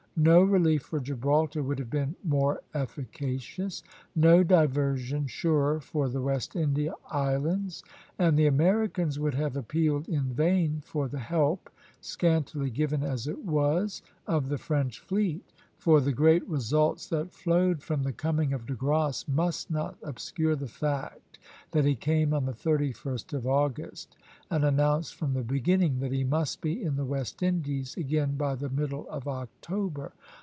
No relief for Gibraltar would have been more efficacious; no diversion surer for the West India Islands; and the Americans would have appealed in vain for the help, scantily given as it was, of the French fleet. For the great results that flowed from the coming of De Grasse must not obscure the fact that he came on the 31st of August, and announced from the beginning that he must be in the West Indies again by the middle of October.